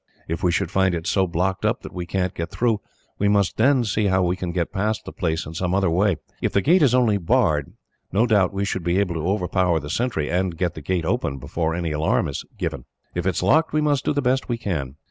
If we should find it so blocked up that we can't get through, we must then see how we can get past the place in some other way. If the gate is only barred, no doubt we should be able to overpower the sentry, and get the gate open before any alarm is given. If it is locked, we must do the best we can.